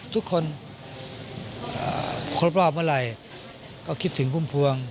ทุกคนครบรอบเมื่อไหร่ก็คิดถึงพุ่มพวง